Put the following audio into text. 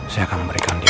saya akan memberikan dia